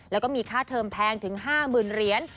แล้วก็มีค่าเทอมแพงถึง๕๐๐๐เหรียญ